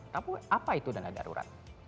tapi apa itu dana darurat